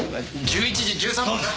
１１時１３分な。